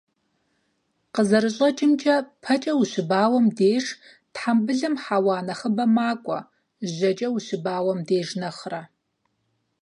КъызэрыщӀэкӀымкӀэ, пэкӀэ ущыбауэм деж тхьэмбылым хьэуа нэхъыбэ макӀуэ, жьэкӀэ ущыбауэм деж нэхърэ.